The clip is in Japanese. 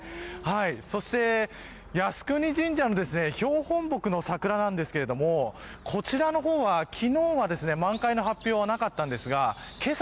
そして靖国神社の標本木の桜なんですけれどもこちらの方は昨日は満開の発表はなかったんですがけさ、